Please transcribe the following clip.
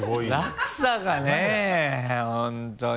落差がねぇ本当に。